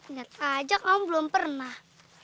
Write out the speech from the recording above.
tidak saja kamu belum pernah